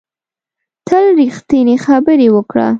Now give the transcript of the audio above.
تل ریښتینې خبرې وکړه